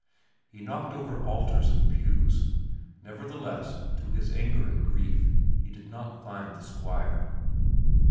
He knocked over altars and pews; nevertheless, to his anger and grief, he did not find the Squire.